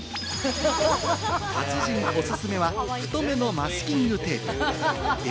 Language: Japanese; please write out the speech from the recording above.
達人のオススメは太めのマスキングテープ。